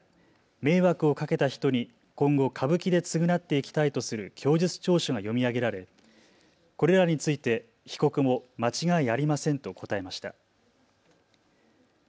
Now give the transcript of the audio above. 迷惑をかけた人に今後、歌舞伎で償っていきたいとする供述調書が読み上げられこれらについて被告も間違いありませんと答えました。